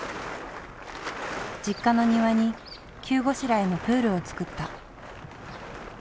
実家の庭に急ごしらえのプールを作った。